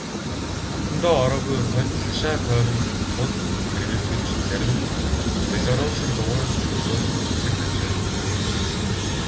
Хотондоо ороогүй хоньд хашаа тойрон сул эргэлдэж зарим нь белоруссын дугуй шөргөөн үнэрлэх ажээ.